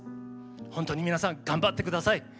本当に皆さん頑張ってください。